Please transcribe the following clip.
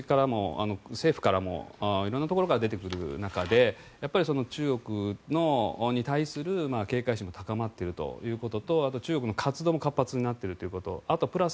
政府からも色んなところから出てくる中で、中国に対する警戒心も高まっているということとあと中国の活動も活発になっていることプラス